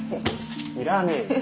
要らねえよ。